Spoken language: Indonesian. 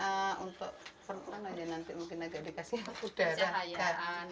mana ya nanti mungkin agak dikasih udara